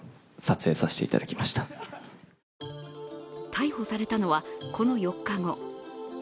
逮捕されたのは、この４日後。